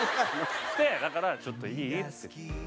でだから「ちょっといい？」っつって。